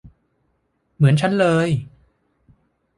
เหมือนฉันเลย !